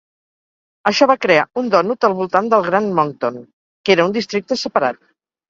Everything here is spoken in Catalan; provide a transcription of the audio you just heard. Això va crear un "dònut" al voltant del Gran Moncton, que era un districte separat.